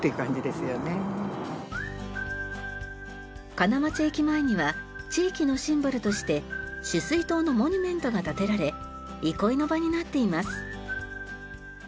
金町駅前には地域のシンボルとして取水塔のモニュメントが建てられ憩いの場になっています。